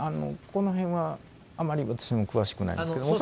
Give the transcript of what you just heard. このへんはあまり私も詳しくないんですけれども。